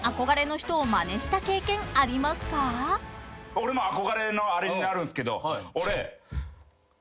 俺も憧れのあれになるんすけど俺。